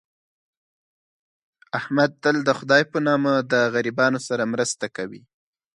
احمد تل دخدی په نامه د غریبانو سره مرسته کوي.